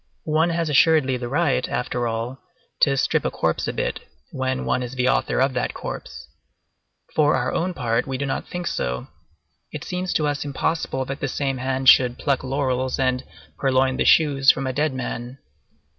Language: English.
One has assuredly the right, after all, to strip a corpse a bit when one is the author of that corpse. For our own part, we do not think so; it seems to us impossible that the same hand should pluck laurels and purloin the shoes from a dead man.